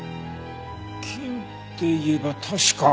金っていえば確か。